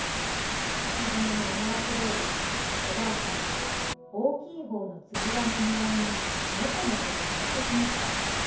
すずめの思惑どおりおばあさんは大きい方のつづらももらいにのこのことやって来ました。